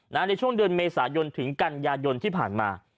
ในช่วงเดือนเมษายนถึงกันยายนที่ผ่านมา